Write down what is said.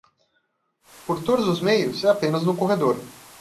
Por todos os meios? é apenas no corredor.